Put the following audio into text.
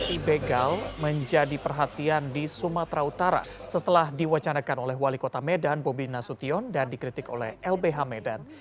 i begal menjadi perhatian di sumatera utara setelah diwacanakan oleh wali kota medan bobi nasution dan dikritik oleh lbh medan